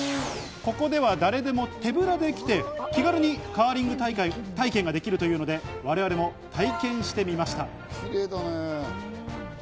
ここでは誰でも手ぶらで来て気軽にカーリング体験ができるというので、我々も体験してみました。